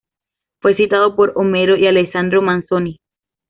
Fue citado por Homero y Alessandro Manzoni.